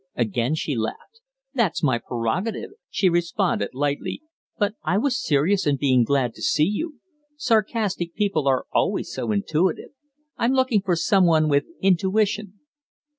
Again she laughed. "That's my prerogative," she responded, lightly. "But I was serious in being glad to see you. Sarcastic people are always so intuitive. I'm looking for some one with intuition."